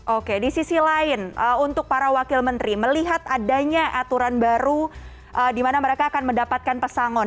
oke di sisi lain untuk para wakil menteri melihat adanya aturan baru di mana mereka akan mendapatkan pesangon